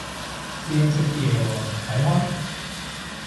師兄識啲嘢喎，睇開？